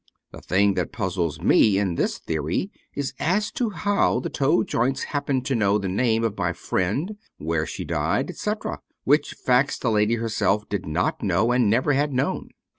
The thing that puzzles me in this theory, is as to how the toe joints happened to know the name of my friend, where she died, etc., which facts the lady herself did not know, and never had known."